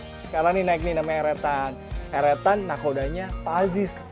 sekarang nih naik nih namanya eretan eretan nah kodanya pazis